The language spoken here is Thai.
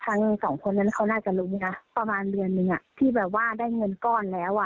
สองคนนั้นเขาน่าจะรู้นะประมาณเดือนนึงอ่ะที่แบบว่าได้เงินก้อนแล้วอ่ะ